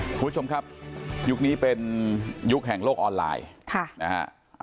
คุณผู้ชมครับยุคนี้เป็นยุคแห่งโลกออนไลน์นะฮะ